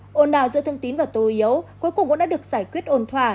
hồn ào giữa thương tín và tô hiếu cuối cùng cũng đã được giải quyết ồn thoả